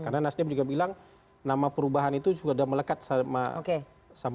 karena nasdem juga bilang nama perubahan itu sudah melekat sama nama nasdem